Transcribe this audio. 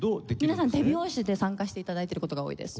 皆さん手拍子で参加して頂いてる事が多いです。